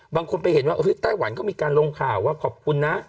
บางคนไปเห็นว่าไต้หวันก็มีการลงข่าวว่าขอบคุณนะ